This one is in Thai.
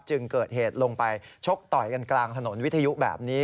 จึงเกิดเหตุลงไปชกต่อยกันกลางถนนวิทยุแบบนี้